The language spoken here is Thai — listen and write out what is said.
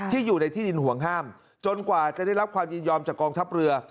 อยู่ในที่ดินห่วงห้ามจนกว่าจะได้รับความยินยอมจากกองทัพเรือ